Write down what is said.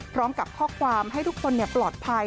พร้อมกับข้อความให้ทุกคนปลอดภัย